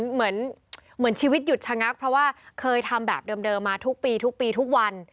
เหมือนชีวิตหยุดชะงักเพราะว่าเคยทำแบบเดิมมาทุกปีทุกปีทุกวัน